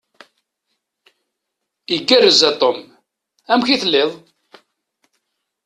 Igerrez a Tom? Amek i tettiliḍ?